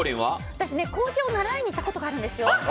私、紅茶を習いに行ったことがあるんです。